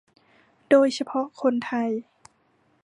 โดยเฉพาะคนไทย